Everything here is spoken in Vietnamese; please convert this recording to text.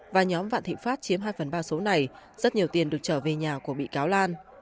và nhóm vạn thịnh pháp chiếm hai phần ba số này rất nhiều tiền được trở về nhà của bị cáo lan